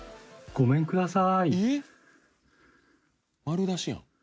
ごめんください。